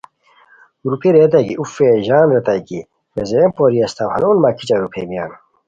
روپھی ریتائے کی اوفّیئے ژان ریتائے کی ویزین پوری اسیتام ہنون مہ کیچہ روپھیمیان!